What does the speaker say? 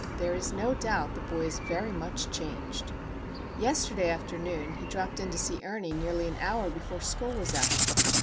There is no doubt the boy is very much changed. Yesterday afternoon he dropped in to see Ernie nearly an hour before school was out.